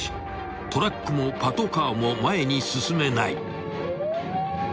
［トラックもパトカーも前に進めない］